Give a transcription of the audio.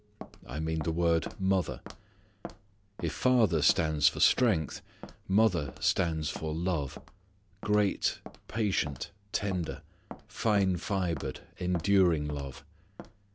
I mean the word mother. If father stands for strength, mother stands for love, great, patient, tender, fine fibred, enduring love.